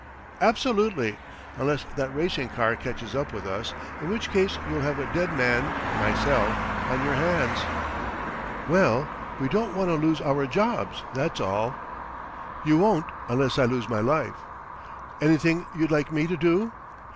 "Absolutely, unless that racing car catches up with us, in which case you'll have a dead man myself on your hands." "Well ... we don't wanna lose our jobs, that's all." "You won't unless I lose my life." "Anything you'd like me to do?"